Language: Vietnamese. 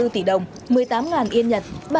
hai mươi bốn tỷ đồng một mươi tám yên nhật